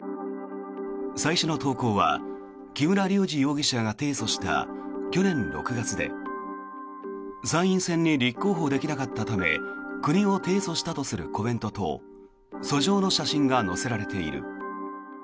最初の投稿は木村隆二容疑者が提訴した去年６月で参院選に立候補できなかったため国を提訴したというコメントと訴状の写真が載せられている。